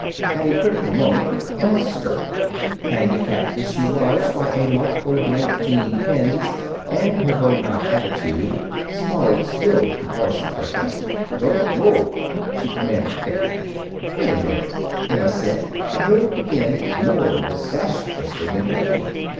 At a critical moment Emma stirred. Handicapped as she was by a mouthful of nineteen pins and her bow knot attitude, Smalley still could voice a protest. "Don't move!" she commanded, thickly. "Wait a minute," Emma said, and moved again, more disastrously than before.